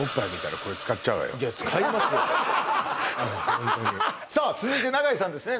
ほんとにさあ続いて永井さんですね